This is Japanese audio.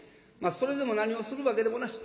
それでも何をするわけでもなし。